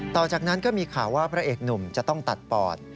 ต่อจากนั้นก็มีข่าวว่าพระเอกหนุ่มจะต้องตัดปอด